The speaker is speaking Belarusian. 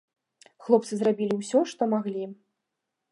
Хлопцы зрабілі ўсё, што маглі.